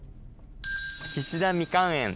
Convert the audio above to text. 岸田みかん園。